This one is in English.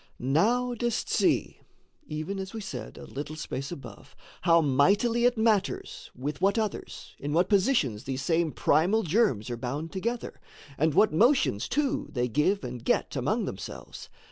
Now dost see (Even as we said a little space above) How mightily it matters with what others, In what positions these same primal germs Are bound together? And what motions, too, They give and get among themselves?